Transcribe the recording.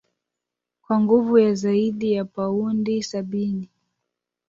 kwa nguvu ya zaidi ya paundi sabini